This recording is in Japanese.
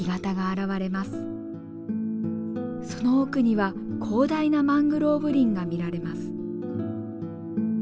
その奥には広大なマングローブ林が見られます。